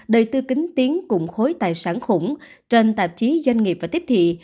đầy tư kính tiếng cùng khối tài sản khủng trên tạp chí doanh nghiệp và tiếp thị